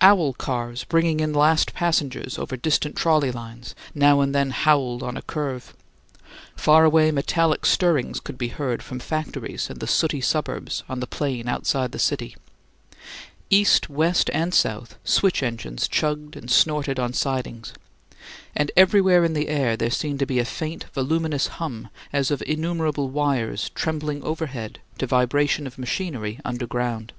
"Owl" cars, bringing in last passengers over distant trolley lines, now and then howled on a curve; faraway metallic stirrings could be heard from factories in the sooty suburbs on the plain outside the city; east, west, and south, switch engines chugged and snorted on sidings; and everywhere in the air there seemed to be a faint, voluminous hum as of innumerable wires trembling overhead to vibration of machinery underground.